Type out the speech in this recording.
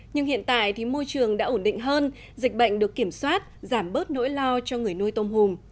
nhưng hiện tại thì môi trường đã ổn định hơn dịch bệnh được kiểm soát giảm bớt nỗi lo cho người nuôi tôm hùm